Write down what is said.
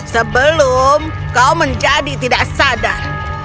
sebelum kau menjadi tidak sadar